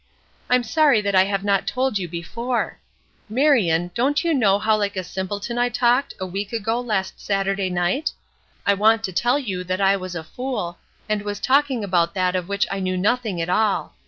I am sorry that I have not told you before. Marion, don't you know how like a simpleton I talked, a week ago last Saturday night? I want to tell you that I was a fool; and was talking about that of which I knew nothing at all.